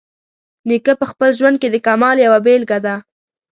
نیکه په خپل ژوند کې د کمال یوه بیلګه ده.